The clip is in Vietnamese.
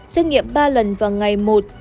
xét nghiệm ba lần vào ngày một bảy một mươi ba